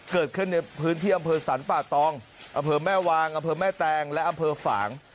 เกิดขึ้นในพื้นที่อำเภอสรรป่าตองอำเภอแม่วางอำเภอแม่แตงและอำเภอฝาง